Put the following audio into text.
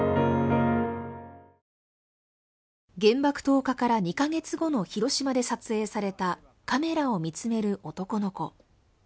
原爆投下から２カ月後の広島で撮影されたカメラを見つめる男の子。